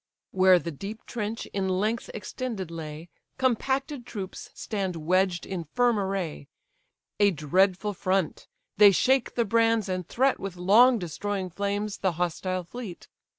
Where the deep trench in length extended lay, Compacted troops stand wedged in firm array, A dreadful front! they shake the brands, and threat With long destroying flames the hostile fleet.